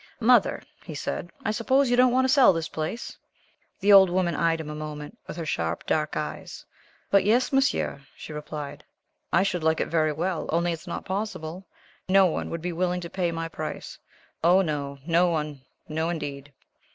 "Mother," he said, "I suppose you don't want to sell this place?" The old woman eyed him a moment with her sharp dark eyes. "But, yes, Monsieur," she replied. "I should like it very well, only it is not possible. No one would be willing to pay my price. Oh, no, no one. No, indeed."